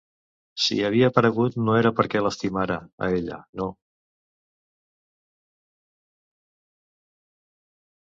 Si havia aparegut, no era perquè l'estimara, a ella, no.